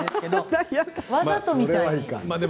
わざとみたいで。